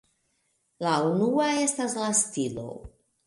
La unua estas la stilo.